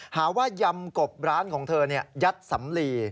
หาว่ายำกบร้านของเธอยัดสำลี